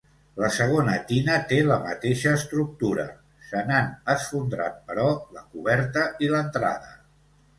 La segona tina té la mateixa estructura, se n'han esfondrat, però, la coberta i l'entrada.